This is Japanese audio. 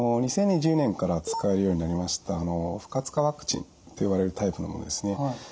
２０２０年から使えるようになりました不活化ワクチンと呼ばれるタイプのものですね。